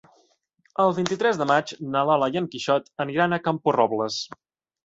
El vint-i-tres de maig na Lola i en Quixot aniran a Camporrobles.